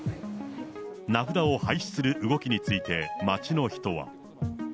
名札を廃止する動きについて、街の人は。